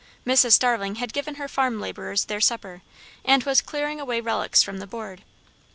Mrs. Starling had given her farm labourers their supper, and was clearing away relics from the board.